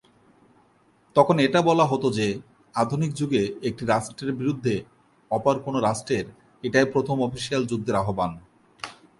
তখন এটা বলা হত যে, আধুনিক যুগে একটি রাষ্ট্রের বিরুদ্ধে অপর কোন রাষ্ট্রের এটাই প্রথম অফিসিয়ালি যুদ্ধের আহবান।